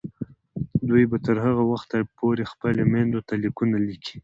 دوی به تر هغه وخته پورې خپلو میندو ته لیکونه لیکي.